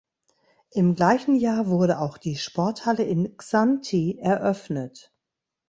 Im gleichen Jahr wurde auch die Sporthalle in Xanthi eröffnet.